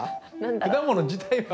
果物自体は。